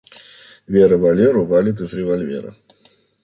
Вера Валеру валит из револьвера.